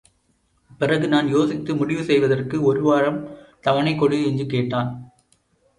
பிறகு நான் யோசித்து முடிவு செய்வதற்கு ஒரு வாரம் தவணைகொடு என்று கேட்டான்.